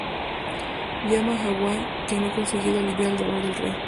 Llama a Gawain, que no ha conseguido aliviar el dolor del rey.